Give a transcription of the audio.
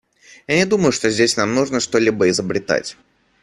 Я не думаю, что здесь нам нужно что-либо изобретать.